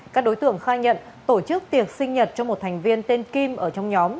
các đối tượng khai nhận tổ chức tiệc sinh nhật cho một thành viên tên kim ở trong nhóm